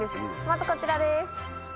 まずこちらです。